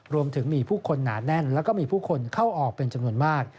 รวมถึงมีผู้คนหนาแน่นแล้วก็มีผู้คนเข้าออกเป็นจำนวนมาก